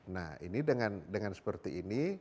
nah dengan seperti ini